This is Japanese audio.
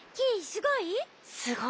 すごいね。